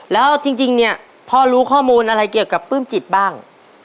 แล้วจริงเนี่ยพ่อรู้ข้อมูลอะไรเกี่ยวกับปลื้มจิตบ้าง